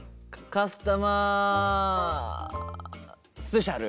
カスタマースペシャル。